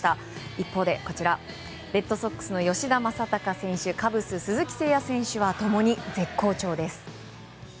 一方でレッドソックスの吉田正尚選手カブス鈴木誠也選手は共に絶好調です。